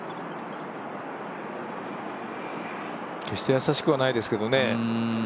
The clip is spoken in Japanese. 決して易しくはないですけどね